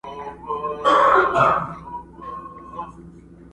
وګړي تښتي له ګاونډیانو!!